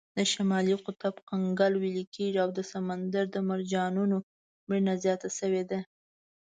د شمالي قطب کنګل ویلې کیږي او د سمندري مرجانونو مړینه زیاته شوې ده.